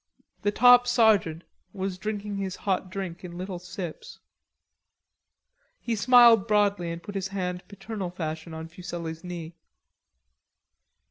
The top sergeant was drinking his hot drink in little sips. He smiled broadly and put his hand paternal fashion on Fuselli's knee.